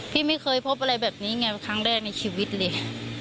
พี่ไม่เคยพบอะไรแบบนี้ไงครั้งแรกในชีวิตเลย